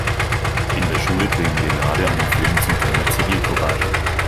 In der Schule drehen wir gerade einen Film zum Thema Zivilcourage.